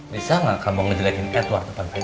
bisa nggak kamu ngejelekin edward depan pebri